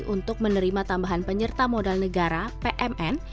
untuk menerima tambahan penyerta modal negara pmn